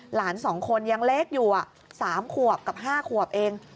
หลาน๒คนยังเล็กอยู่๓ขวบกับ๕ขวบเอง